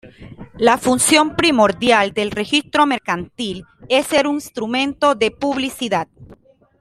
La función primordial del registro mercantil es ser un instrumento de publicidad.